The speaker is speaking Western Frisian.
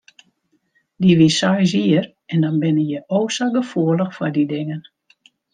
Dy wie seis jier en dan binne je o sa gefoelich foar dy dingen.